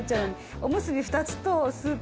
おむすび２つとスープ。